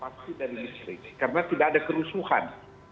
pasti dari distrik karena tidak ada kerusuhan